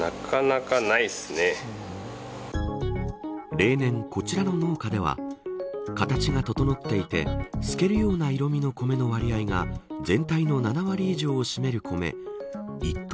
例年、こちらの農家では形が整っていて透けるような色味のコメの割合が全体の７割以上を占めるコメ一等